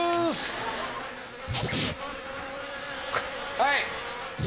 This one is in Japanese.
はい。